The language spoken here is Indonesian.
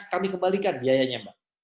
kami kebalikan biayanya